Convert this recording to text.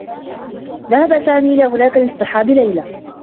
ذهب سامي إلى هناك لاصطحاب ليلى.